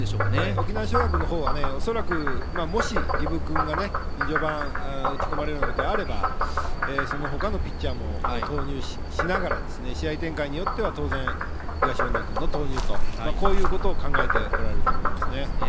沖縄尚学の方は恐らく、儀部君が序盤打ち込まれるようなことがあればそのほかのピッチャーも投入しながら試合展開によっては当然東恩納君の投入ということをこういうことを考えておられると思います。